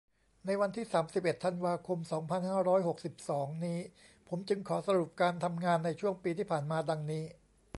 ในวันที่ สามสิบเอ็ด ธันวาคม สองพันห้าร้อยหกสิบสอง นี้ ผมจึงขอสรุปการทำงานในช่วงปีที่ผ่านมาดังนี้